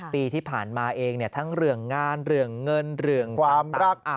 ปีที่ผ่านมาเองทั้งเรื่องงานเรื่องเงินเรื่องความรัก